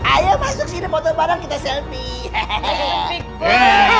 ayo masuk sini foto bareng kita selfie